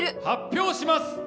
発表します！